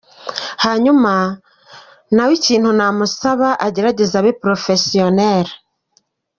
Hanyuma nawe ikintu namusaba agerageze abe Professionel.